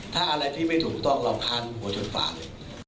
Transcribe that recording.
ถ้าอะไรที่ไม่ถูกต้องรำคานหัวจนตาย